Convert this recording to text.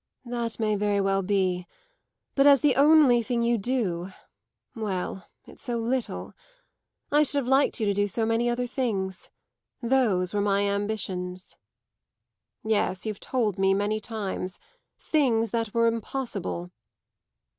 "That may very well be. But as the only thing you do well, it's so little. I should have liked you to do so many other things: those were my ambitions." "Yes; you've told me many times things that were impossible."